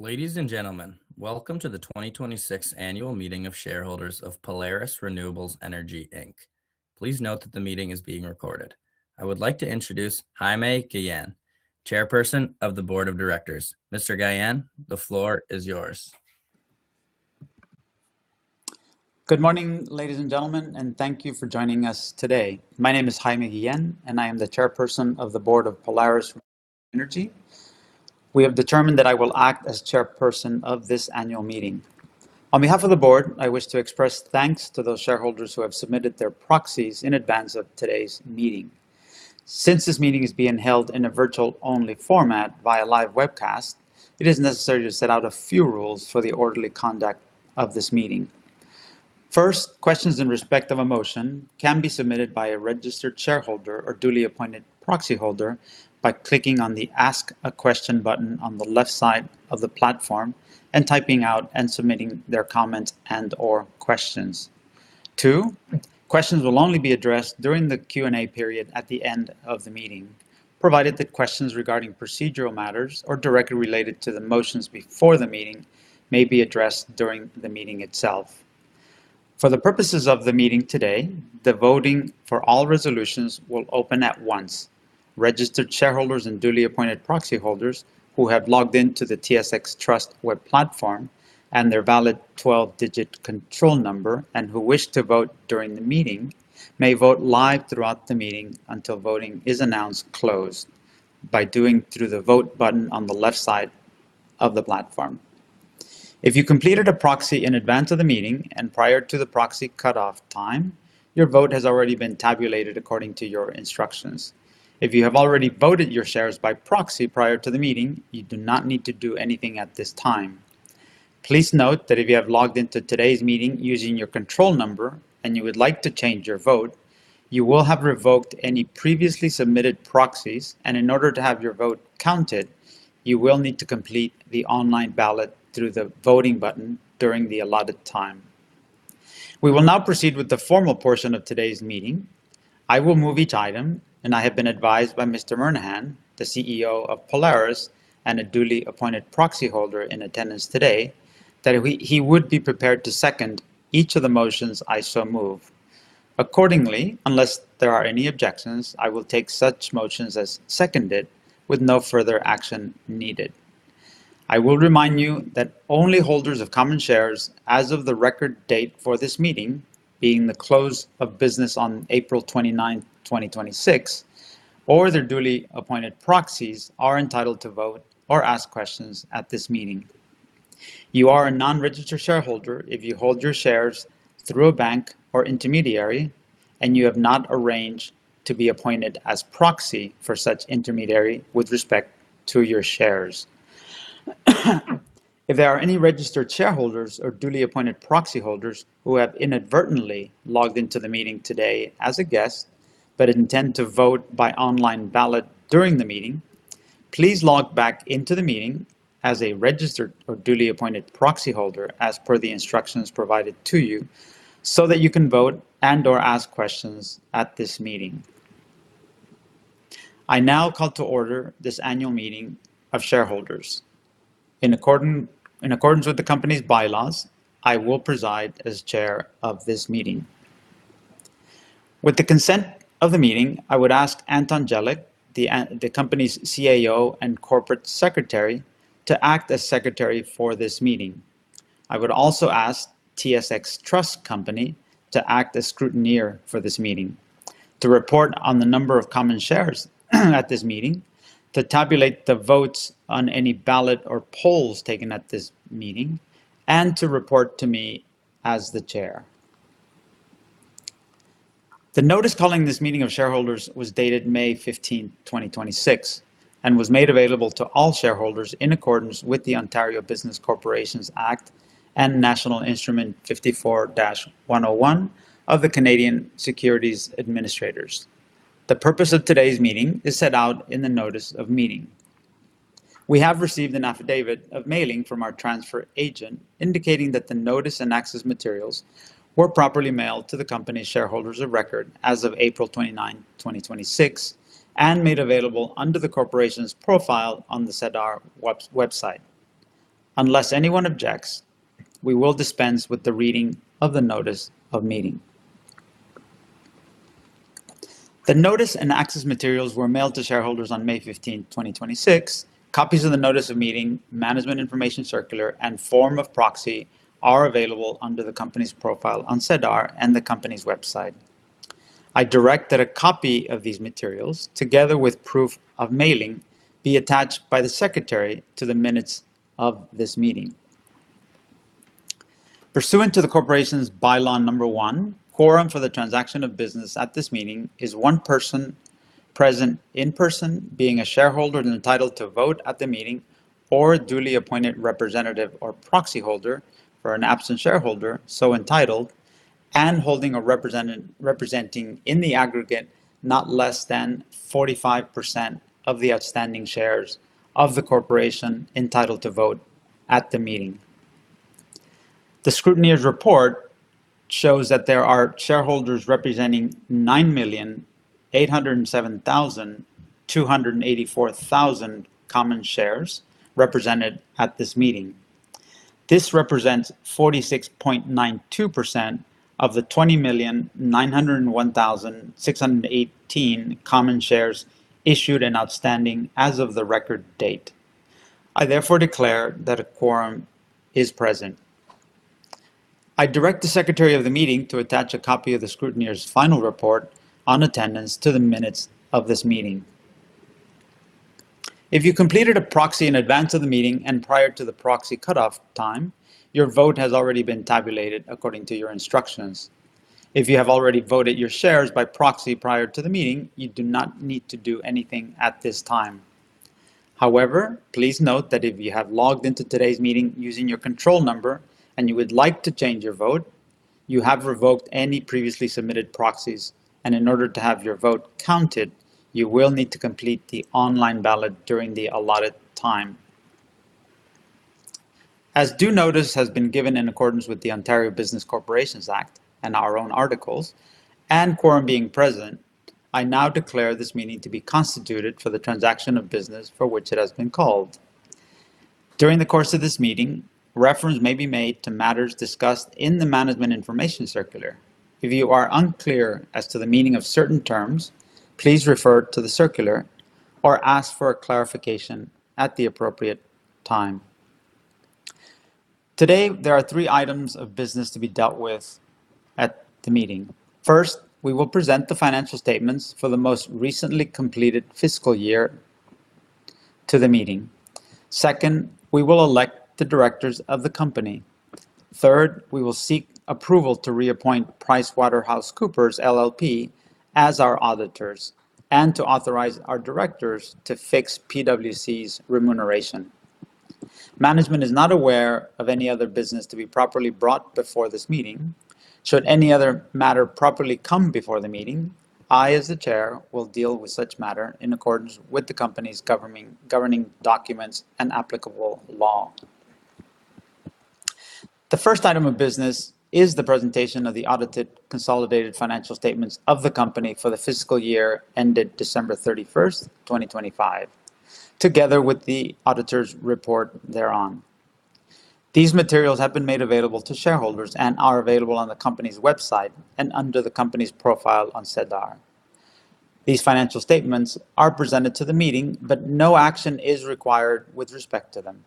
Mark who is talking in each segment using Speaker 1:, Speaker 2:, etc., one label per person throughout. Speaker 1: Ladies and gentlemen, welcome to the 2026 Annual Meeting of Shareholders of Polaris Renewable Energy Inc. Please note that the meeting is being recorded. I would like to introduce Jaime Guillen, Chairperson of the Board of Directors. Mr. Guillen, the floor is yours.
Speaker 2: Good morning, ladies and gentlemen, and thank you for joining us today. My name is Jaime Guillen, and I am the Chairperson of the Board of Polaris Renewable Energy. We have determined that I will act as Chairperson of this annual meeting. On behalf of the Board, I wish to express thanks to those shareholders who have submitted their proxies in advance of today's meeting. Since this meeting is being held in a virtual-only format via live webcast, it is necessary to set out a few rules for the orderly conduct of this meeting. First, questions in respect of a motion can be submitted by a registered shareholder or duly appointed proxyholder by clicking on the Ask a Question button on the left side of the platform and typing out and submitting their comments and/or questions. Two, questions will only be addressed during the Q&A period at the end of the meeting, provided that questions regarding procedural matters or directly related to the motions before the meeting may be addressed during the meeting itself. For the purposes of the meeting today, the voting for all resolutions will open at once. Registered shareholders and duly appointed proxyholders who have logged in to the TSX Trust web platform and their valid 12-digit control number, and who wish to vote during the meeting, may vote live throughout the meeting until voting is announced closed by doing through the Vote button on the left side of the platform. If you completed a proxy in advance of the meeting and prior to the proxy cutoff time, your vote has already been tabulated according to your instructions. If you have already voted your shares by proxy prior to the meeting, you do not need to do anything at this time. Please note that if you have logged in to today's meeting using your control number and you would like to change your vote, you will have revoked any previously submitted proxies, and in order to have your vote counted, you will need to complete the online ballot through the voting button during the allotted time. We will now proceed with the formal portion of today's meeting. I will move each item, and I have been advised by Mr. Murnaghan, the CEO of Polaris and a duly appointed proxyholder in attendance today, that he would be prepared to second each of the motions I so move. Accordingly, unless there are any objections, I will take such motions as seconded with no further action needed. I will remind you that only holders of common shares as of the record date for this meeting, being the close of business on April 29th, 2026, or their duly appointed proxies, are entitled to vote or ask questions at this meeting. You are a non-registered shareholder if you hold your shares through a bank or intermediary and you have not arranged to be appointed as proxy for such intermediary with respect to your shares. If there are any registered shareholders or duly appointed proxyholders who have inadvertently logged into the meeting today as a guest but intend to vote by online ballot during the meeting, please log back into the meeting as a registered or duly appointed proxyholder as per the instructions provided to you so that you can vote and/or ask questions at this meeting. I now call to order this Annual Meeting of Shareholders. In accordance with the company's bylaws, I will preside as Chair of this meeting. With the consent of the meeting, I would ask Anton Jelic, the company's CAO and Corporate Secretary, to act as Secretary for this meeting. I would also ask TSX Trust Company to act as scrutineer for this meeting to report on the number of common shares at this meeting, to tabulate the votes on any ballot or polls taken at this meeting, and to report to me as the Chair. The notice calling this meeting of shareholders was dated May 15th, 2026, and was made available to all shareholders in accordance with the Ontario Business Corporations Act and National Instrument 54-101 of the Canadian Securities Administrators. The purpose of today's meeting is set out in the notice of meeting. We have received an affidavit of mailing from our transfer agent indicating that the notice and access materials were properly mailed to the company shareholders of record as of April 29th, 2026, and made available under the corporation's profile on the SEDAR website. Unless anyone objects, we will dispense with the reading of the notice of meeting. The notice and access materials were mailed to shareholders on May 15, 2026. Copies of the notice of meeting, management information circular, and form of proxy are available under the company's profile on SEDAR and the company's website. I direct that a copy of these materials, together with proof of mailing, be attached by the secretary to the minutes of this meeting. Pursuant to the corporation's bylaw number one, quorum for the transaction of business at this meeting is one person present in person, being a shareholder and entitled to vote at the meeting or a duly appointed representative or proxyholder for an absent shareholder so entitled and holding or representing in the aggregate, not less than 45% of the outstanding shares of the corporation entitled to vote at the meeting. The scrutineer's report shows that there are shareholders representing 9,807,284 common shares represented at this meeting. This represents 46.92% of the 20,901,618 common shares issued and outstanding as of the record date. I therefore declare that a quorum is present. I direct the secretary of the meeting to attach a copy of the scrutineer's final report on attendance to the minutes of this meeting. If you completed a proxy in advance of the meeting and prior to the proxy cutoff time, your vote has already been tabulated according to your instructions. If you have already voted your shares by proxy prior to the meeting, you do not need to do anything at this time. However, please note that if you have logged into today's meeting using your control number and you would like to change your vote, you have revoked any previously submitted proxies, and in order to have your vote counted, you will need to complete the online ballot during the allotted time. As due notice has been given in accordance with the Ontario Business Corporations Act and our own articles, and quorum being present, I now declare this meeting to be constituted for the transaction of business for which it has been called. During the course of this meeting, reference may be made to matters discussed in the management information circular. If you are unclear as to the meaning of certain terms, please refer to the circular or ask for a clarification at the appropriate time. Today, there are three items of business to be dealt with at the meeting. First, we will present the financial statements for the most recently completed fiscal year to the meeting. Second, we will elect the directors of the company. Third, we will seek approval to reappoint PricewaterhouseCoopers LLP as our auditors and to authorize our directors to fix PwC's remuneration. Management is not aware of any other business to be properly brought before this meeting. Should any other matter properly come before the meeting, I, as the Chair, will deal with such matter in accordance with the company's governing documents and applicable law. The first item of business is the presentation of the audited consolidated financial statements of the company for the fiscal year ended December 31st, 2025, together with the auditor's report thereon. These materials have been made available to shareholders and are available on the company's website and under the company's profile on SEDAR. These financial statements are presented to the meeting, but no action is required with respect to them.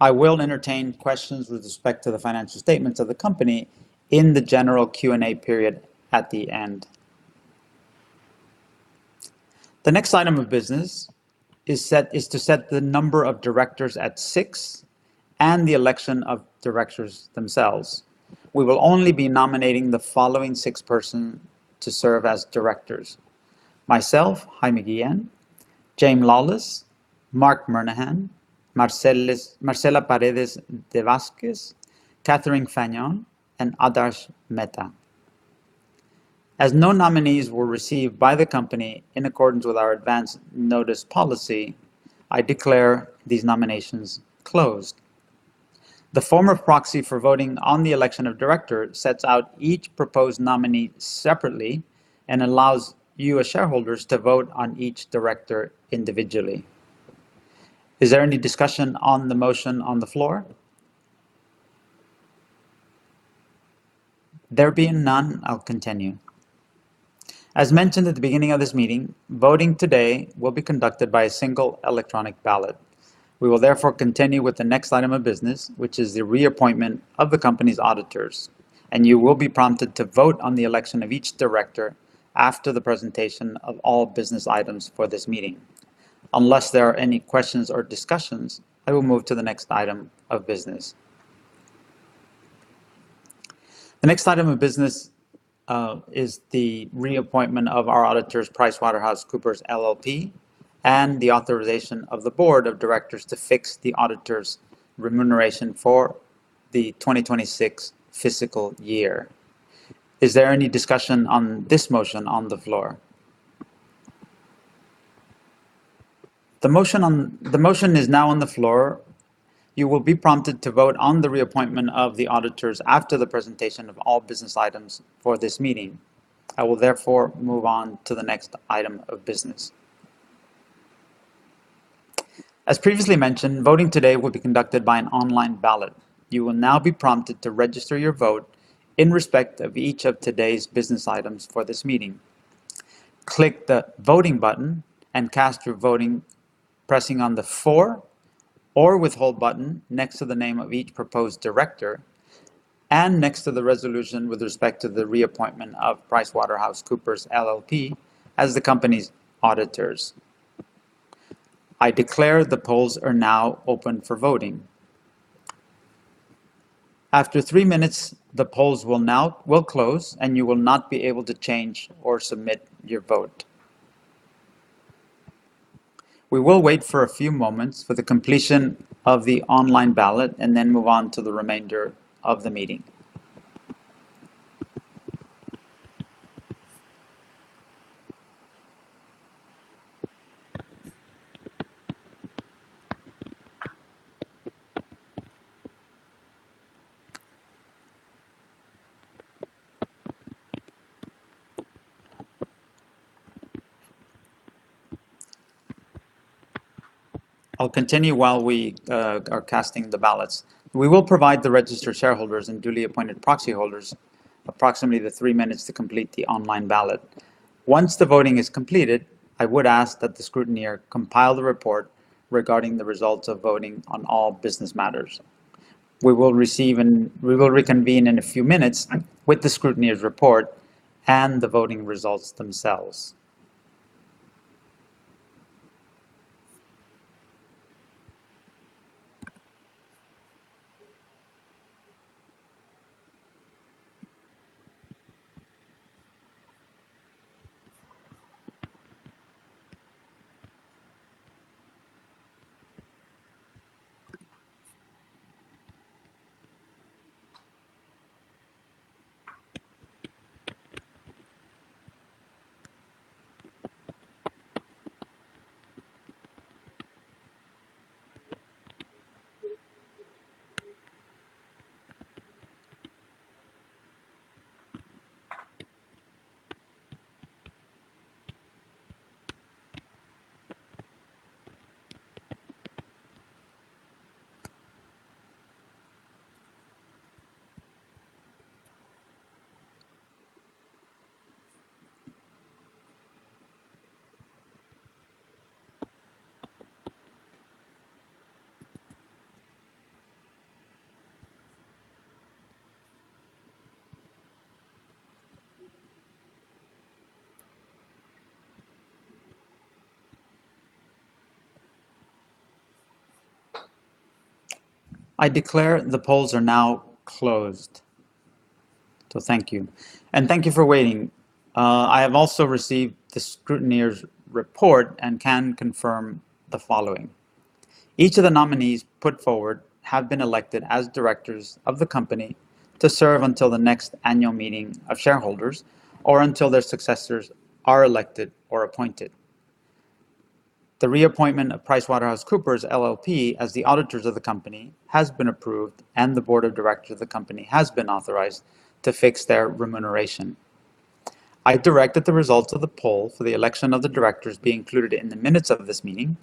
Speaker 2: I will entertain questions with respect to the financial statements of the company in the general Q&A period at the end. The next item of business is to set the number of directors at six and the election of directors themselves. We will only be nominating the following six person to serve as directors. Myself, Jaime Guillen, James Lawless, Marc Murnaghan, Marcela Paredes de Vásquez, Catherine Fagnan, and Adarsh Mehta. As no nominees were received by the company in accordance with our advance notice policy, I declare these nominations closed. The form of proxy for voting on the election of director sets out each proposed nominee separately and allows you, as shareholders, to vote on each director individually. Is there any discussion on the motion on the floor? There being none, I'll continue. As mentioned at the beginning of this meeting, voting today will be conducted by a single electronic ballot. We will therefore continue with the next item of business, which is the reappointment of the company's auditors, and you will be prompted to vote on the election of each director after the presentation of all business items for this meeting. Unless there are any questions or discussions, I will move to the next item of business. The next item of business is the reappointment of our auditors, PricewaterhouseCoopers LLP, and the authorization of the Board of Directors to fix the auditor's remuneration for the 2026 fiscal year. Is there any discussion on this motion on the floor? The motion is now on the floor. You will be prompted to vote on the reappointment of the auditors after the presentation of all business items for this meeting. I will therefore move on to the next item of business. As previously mentioned, voting today will be conducted by an online ballot. You will now be prompted to register your vote in respect of each of today's business items for this meeting. Click the voting button and cast your vote pressing on the for or withhold button next to the name of each proposed director and next to the resolution with respect to the reappointment of PricewaterhouseCoopers LLP as the company's auditors. I declare the polls are now open for voting. After three minutes, the polls will close, and you will not be able to change or submit your vote. We will wait for a few moments for the completion of the online ballot and then move on to the remainder of the meeting. I'll continue while we are casting the ballots. We will provide the registered shareholders and duly appointed proxy holders approximately the three minutes to complete the online ballot. Once the voting is completed, I would ask that the scrutineer compile the report regarding the results of voting on all business matters. We will reconvene in a few minutes with the scrutineer's report and the voting results themselves. I declare the polls are now closed. Thank you. Thank you for waiting. I have also received the scrutineer's report and can confirm the following. Each of the nominees put forward have been elected as directors of the company to serve until the next Annual Meeting of Shareholders or until their successors are elected or appointed. The reappointment of PricewaterhouseCoopers LLP as the auditors of the company has been approved, and the Board of Directors of the company has been authorized to fix their remuneration. I direct that the results of the poll for the election of the directors be included in the minutes of this meeting,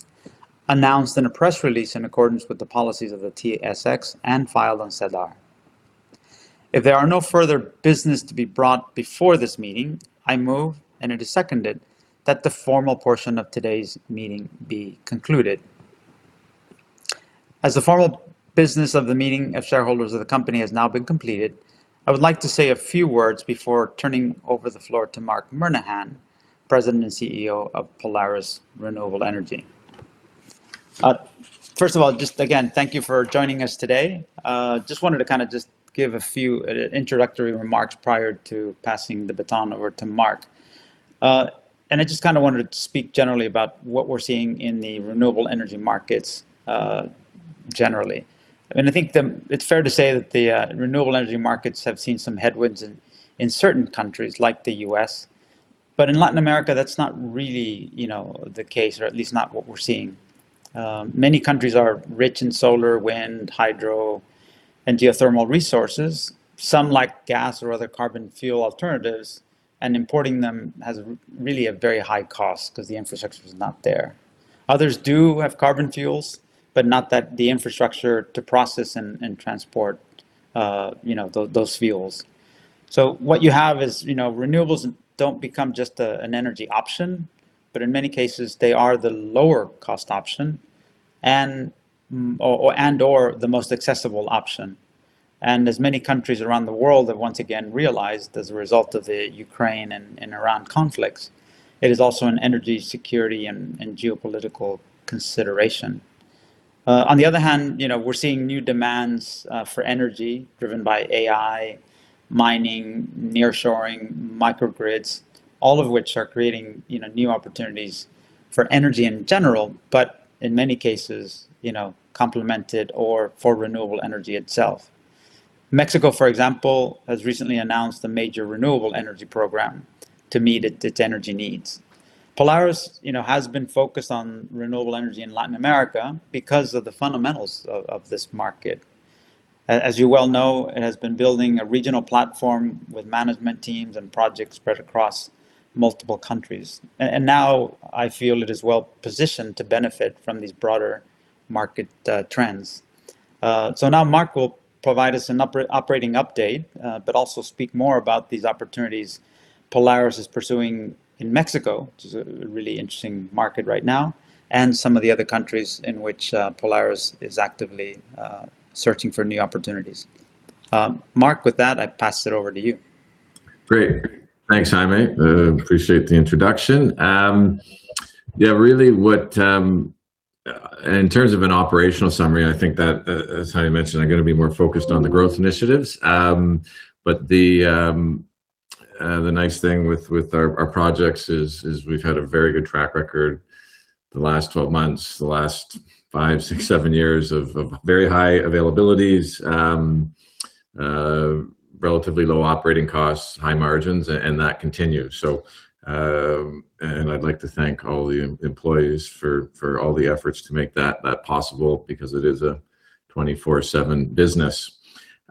Speaker 2: announced in a press release in accordance with the policies of the TSX and filed on SEDAR. If there are no further business to be brought before this meeting, I move, and it is seconded, that the formal portion of today's meeting be concluded. As the formal business of the meeting of shareholders of the company has now been completed, I would like to say a few words before turning over the floor to Marc Murnaghan, President and CEO of Polaris Renewable Energy. First of all, just again, thank you for joining us today. Just wanted to kind of just give a few introductory remarks prior to passing the baton over to Marc. I just wanted to speak generally about what we're seeing in the renewable energy markets, generally. I think it's fair to say that the renewable energy markets have seen some headwinds in certain countries like the U.S., but in Latin America, that's not really the case, or at least not what we're seeing. Many countries are rich in solar, wind, hydro, and geothermal resources. Some like gas or other carbon fuel alternatives, and importing them has really a very high cost because the infrastructure is not there. Others do have carbon fuels, but not the infrastructure to process and transport those fuels. What you have is renewables don't become just an energy option, but in many cases, they are the lower cost option and/or the most accessible option. As many countries around the world have once again realized as a result of the Ukraine and Iran conflicts, it is also an energy security and geopolitical consideration. On the other hand, we're seeing new demands for energy driven by AI, mining, nearshoring, microgrids, all of which are creating new opportunities for energy in general, but in many cases, complemented or for renewable energy itself. Mexico, for example, has recently announced a major renewable energy program to meet its energy needs. Polaris has been focused on renewable energy in Latin America because of the fundamentals of this market. As you well know, it has been building a regional platform with management teams and projects spread across multiple countries. Now, I feel it is well-positioned to benefit from these broader market trends. Now, Marc will provide us an operating update but also speak more about these opportunities Polaris is pursuing in Mexico, which is a really interesting market right now, and some of the other countries in which Polaris is actively searching for new opportunities. Marc, with that, I pass it over to you.
Speaker 3: Great. Thanks, Jaime. Appreciate the introduction. Really, in terms of an operational summary, I think that, as Jaime mentioned, I'm going to be more focused on the growth initiatives. The nice thing with our projects is we've had a very good track record the last 12 months, the last five, six, seven years of very high availabilities, relatively low operating costs, high margins, and that continues. I'd like to thank all the employees for all the efforts to make that possible because it is a 24/7 business.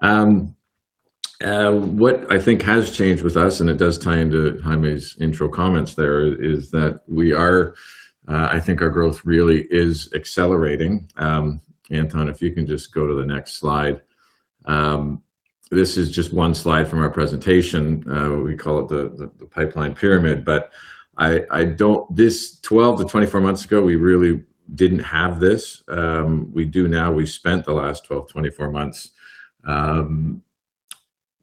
Speaker 3: What I think has changed with us, and it does tie into Jaime's intro comments there, is that I think our growth really is accelerating. Anton, if you can just go to the next slide. This is just one slide from our presentation. We call it the pipeline pyramid. 12-24 months ago, we really did not have this. We do now. We have spent the last 12-24 months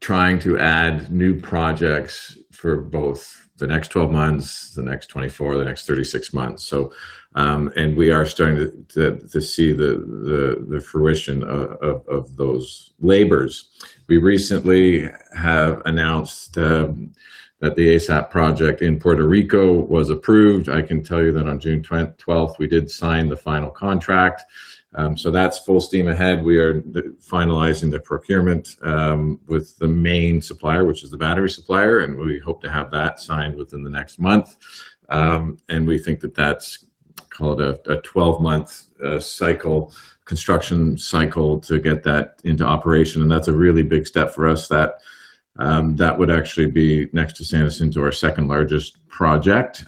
Speaker 3: trying to add new projects for both the next 12 months, the next 24, the next 36 months. We are starting to see the fruition of those labors. We recently have announced that the ASAP project in Puerto Rico was approved. I can tell you that on June 12th, we did sign the final contract. That is full steam ahead. We are finalizing the procurement with the main supplier, which is the battery supplier, and we hope to have that signed within the next month. We think that that is called a 12-month cycle, construction cycle to get that into operation, and that is a really big step for us. That would actually be, next to San Jacinto, our second largest project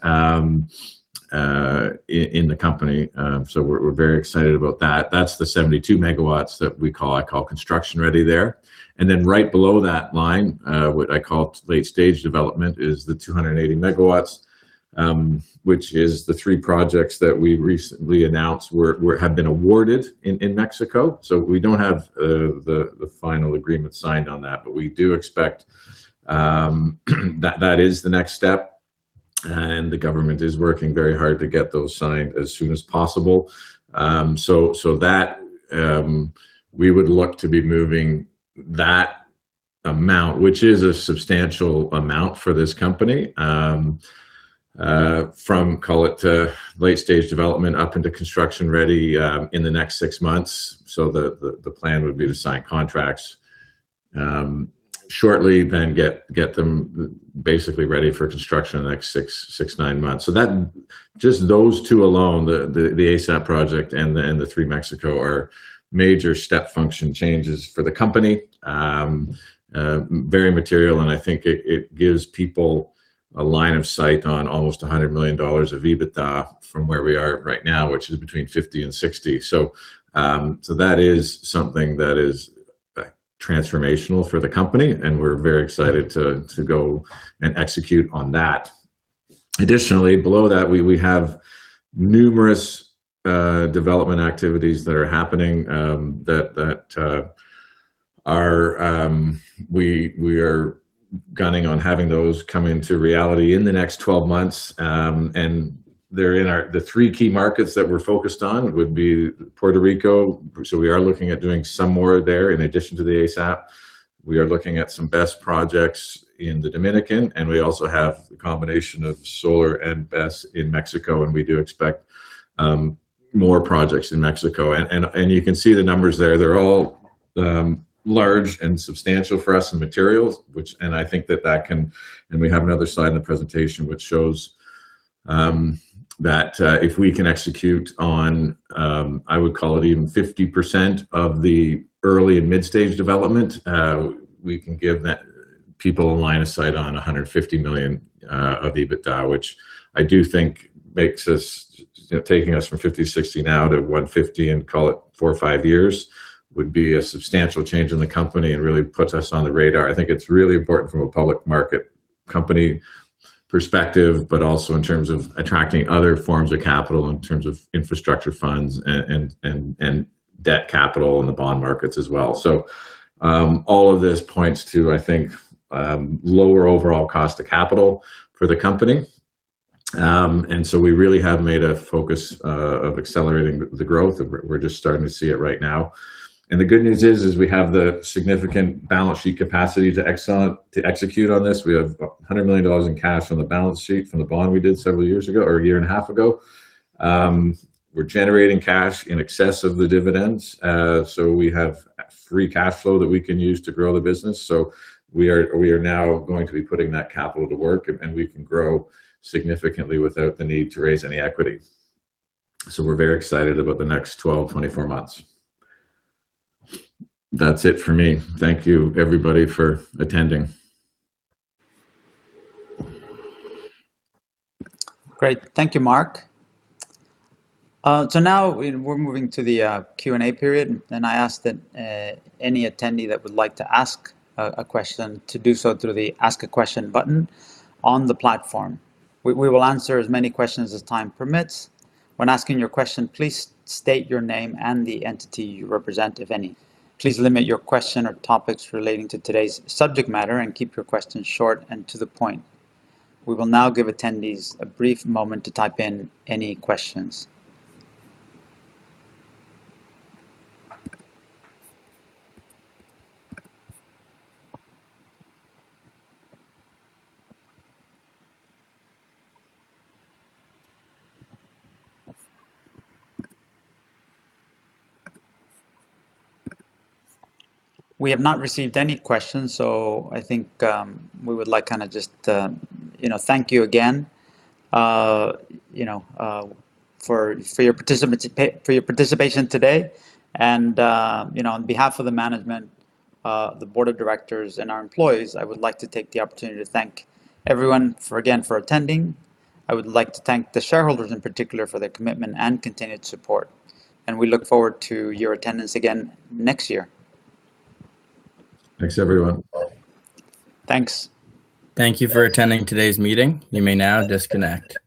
Speaker 3: in the company. We are very excited about that. That is the 72 MW that I call construction-ready there. Right below that line, what I call late-stage development, is the 280 MW, which is the three projects that we recently announced have been awarded in Mexico. We do not have the final agreement signed on that, but we do expect that that is the next step, and the government is working very hard to get those signed as soon as possible. We would look to be moving that amount, which is a substantial amount for this company, from call it late-stage development up into construction-ready in the next six months. The plan would be to sign contracts shortly, then get them basically ready for construction in the next six to nine months. Just those two alone, the ASAP project and the three Mexico, are major step function changes for the company. Very material, and I think it gives people a line of sight on almost $100 million of EBITDA from where we are right now, which is between $50 million and $60 million. That is something that is transformational for the company, and we are very excited to go and execute on that. Additionally, below that, we have numerous development activities that are happening that we are gunning on having those come into reality in the next 12 months. They are in the three key markets that we are focused on, would be Puerto Rico, we are looking at doing some more there in addition to the ASAP. We are looking at some BESS projects in the Dominican, and we also have the combination of solar and BESS in Mexico, and we do expect more projects in Mexico. You can see the numbers there. They are all large and substantial for us in materials, and we have another slide in the presentation which shows that if we can execute on, I would call it even 50% of the early and mid-stage development, we can give people a line of sight on $150 million of EBITDA, which I do think taking us from $50 million, $60 million now to $150 million in call it four or five years, would be a substantial change in the company and really puts us on the radar. I think it's really important from a public market company perspective, but also in terms of attracting other forms of capital in terms of infrastructure funds and debt capital in the bond markets as well. All of this points to, I think, lower overall cost of capital for the company. We really have made a focus of accelerating the growth. We're just starting to see it right now. The good news is we have the significant balance sheet capacity to execute on this. We have $100 million in cash on the balance sheet from the bond we did several years ago, or a year and a half ago. We're generating cash in excess of the dividends. We have free cash flow that we can use to grow the business. We are now going to be putting that capital to work, and we can grow significantly without the need to raise any equity. We're very excited about the next 12-24 months. That's it for me. Thank you everybody for attending.
Speaker 2: Great. Thank you, Marc. Now, we're moving to the Q&A period, and I ask that any attendee that would like to ask a question to do so through the Ask a Question button on the platform. We will answer as many questions as time permits. When asking your question, please state your name and the entity you represent, if any. Please limit your question or topics relating to today's subject matter and keep your questions short and to the point. We will now give attendees a brief moment to type in any questions. We have not received any questions, so I think we would like to just thank you again for your participation today. On behalf of the management, the Board of Directors, and our employees, I would like to take the opportunity to thank everyone again for attending. I would like to thank the shareholders in particular for their commitment and continued support. We look forward to your attendance again next year.
Speaker 3: Thanks, everyone.
Speaker 2: Thanks.
Speaker 1: Thank you for attending today's meeting. You may now disconnect.